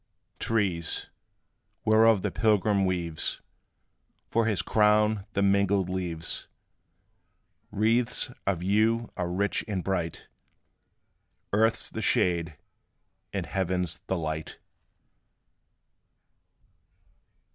Trees, whereof the pilgrim weaves For his crown the mingled leaves, Wreaths of you are rich and bright; Earth 's the shade, and heaven 's the light.